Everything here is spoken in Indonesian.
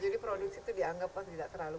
jadi produksi itu dianggap tidak terlalu